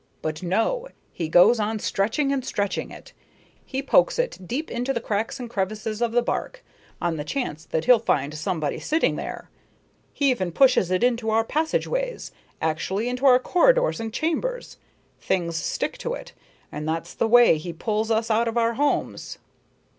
But no, he goes on stretching and stretching it. He pokes it deep into all the cracks and crevices of the bark, on the chance that he'll find somebody sitting there. He even pushes it into our passageways actually, into our corridors and chambers. Things stick to it, and that's the way he pulls us out of our homes."